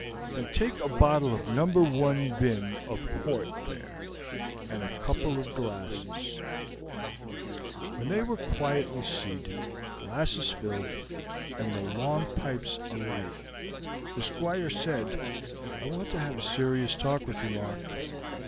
"Then take a bottle of number one bin of port there and a couple of glasses." When they were quietly seated, glasses filled, and the long pipes alight, the Squire said: "I want to have a serious talk with you, Mark.